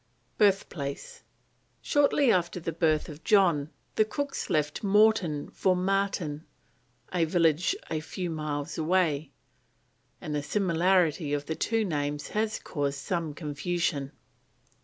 BIRTH PLACE. Shortly after the birth of John, the Cooks left Morton for Marton, a village a few miles away, and the similarity of the two names has caused some confusion.